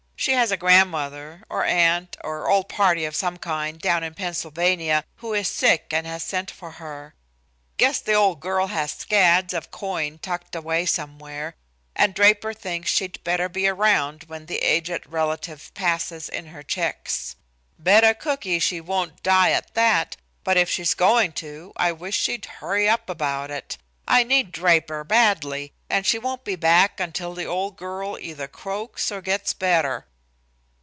She has a grandmother, or aunt, or old party of some kind, down in Pennsylvania, who is sick and has sent for her. Guess the old girl has scads of coin tucked away somewhere, and Draper thinks she'd better be around when the aged relative passes in her checks. Bet a cooky she won't die at that, but if she's going to, I wish she'd hurry up about it. I need Draper badly, and she won't be back until the old girl either croaks or gets better."